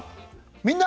「みんな！